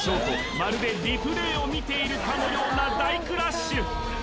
まるでリプレーを見ているかのような大クラッシュ